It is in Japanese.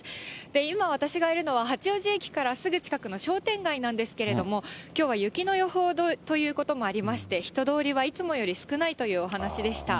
今、私がいるのは八王子駅からすぐ近くの商店街なんですけれども、きょうは雪の予報ということもありまして、人通りはいつもより少ないというお話でした。